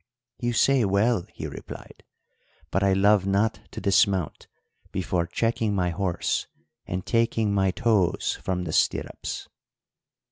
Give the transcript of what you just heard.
"'You say well,' he replied; 'but I love not to dismount before checking my horse and taking my toes from the stirrups.'